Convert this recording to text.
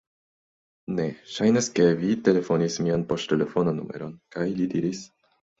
Ne. Ŝajnas ke vi telefonis mian poŝtelefon-numeron. kaj li diris: